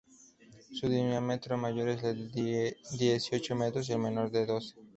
Su diámetro mayor es de dieciocho metros, y el menor de doce.